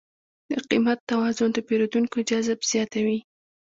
د قیمت توازن د پیرودونکو جذب زیاتوي.